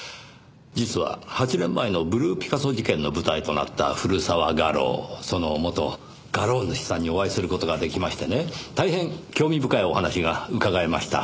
実は８年前のブルーピカソ事件の舞台となった古澤画廊その元画廊主さんにお会いする事が出来ましてね大変興味深いお話が伺えました。